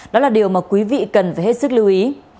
đó là điều mà quý vị cần phải hết sức lưu ý